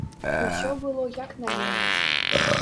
Усё было як належыць.